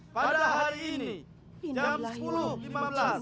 pada hari ini jam sepuluh lima belas